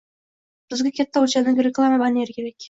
— Bizga katta oʻlchamdagi reklama banneri kerak